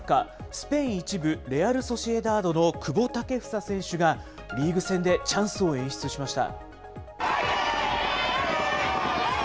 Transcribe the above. スペイン１部・レアルソシエダードの久保建英選手が、リーグ戦でチャンスを演出しました。